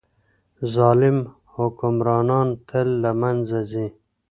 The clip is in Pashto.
ظالم حکمرانان تل له منځه ځي.